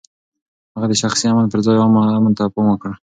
هغه د شخصي امن پر ځای عام امن ته پام وکړ.